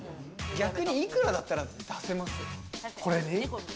逆にいくらだったら出せます？